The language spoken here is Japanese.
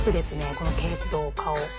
この系統顔。